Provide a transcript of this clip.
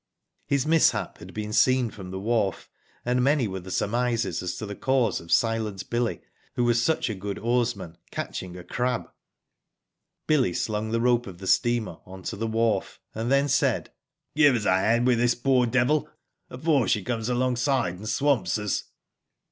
His mishap had been seen from the wharf, and many were the surmises as to the cause of *' Silent Billy," who was such a good oarsman, catching a crab. Billy slung the rope of the steamer on to the wharf, and then said : "Give us a hand with this poor devil, afore she comes alopgside and swamps us."